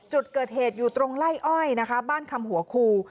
จุดเกิดเหตุอยู่ตรงไล่อ้อยนะคะบ้านคำหัวคู